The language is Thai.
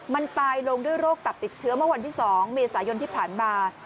มันตายลงด้วยโรคตับติดเชื้อเมื่อวันที่๒เมษายนที่ผ่านมา